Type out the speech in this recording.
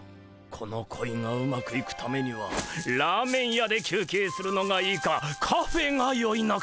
この恋がうまくいくためにはラーメン屋で休憩するのがいいかカフェがよいのか。